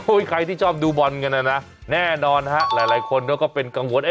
ไอ้ใครที่ชอบดูประโยชน์กันนะแน่นอนนะหลายคนเขาก็เป็นกังวล